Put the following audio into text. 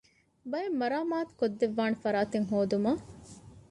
ބައެއް މަރާމާތުތައް ކޮށްދެއްވާނެ ފަރާތެއް ހޯދުމަށް